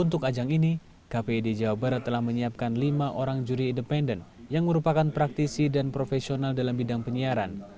untuk ajang ini kpid jawa barat telah menyiapkan lima orang juri independen yang merupakan praktisi dan profesional dalam bidang penyiaran